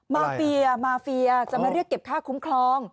มาเฟียมาเฟียจะมาเรียกเก็บค่าคุ้มครอง